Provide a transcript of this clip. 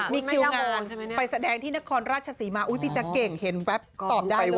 มีคิวงานไปแสดงที่นครราชศรีมาอุ๊ยพี่แจ๊กเก่งเห็นแว๊บตอบได้เลย